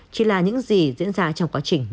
chỉ là những gì diễn ra trong quá trình nhiễm bệnh